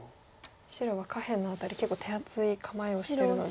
白が下辺の辺り結構手厚い構えをしてるので。